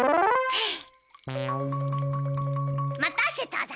待たせただ。